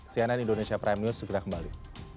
cnn indonesia prime news segera kembali